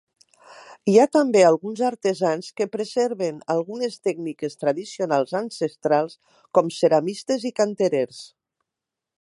Hi ha també alguns artesans que preserven algunes tècniques tradicionals ancestrals, com ceramistes i canterers.